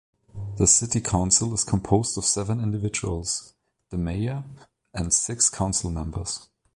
The city council is composed of seven individuals: the mayor and six council members.